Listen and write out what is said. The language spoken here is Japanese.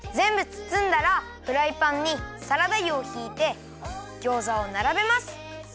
つつんだらフライパンにサラダ油をひいてギョーザをならべます。